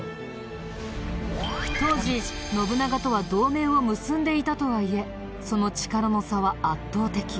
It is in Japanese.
当時信長とは同盟を結んでいたとはいえその力の差は圧倒的。